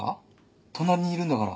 隣にいるんだから。